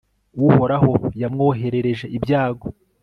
uhoraho yamwoherereje ibyago